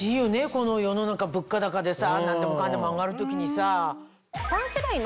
この世の中物価高で何でもかんでも上がる時にさ。